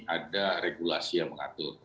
ada regulasi yang mengatur